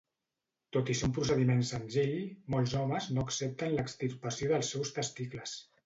Tot i ser un procediment senzill, molts homes no accepten l'extirpació dels seus testicles.